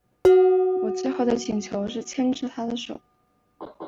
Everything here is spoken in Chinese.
我最后的请求是牵着妳的手